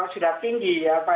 sudah tinggi ya apa